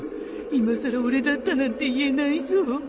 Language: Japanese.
いまさら俺だったなんて言えないぞ